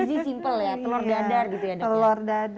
easy simple ya telur dadar gitu ya dok